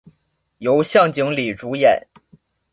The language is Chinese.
由向井理主演。